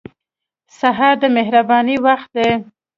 سهار د مهربانۍ وخت دی.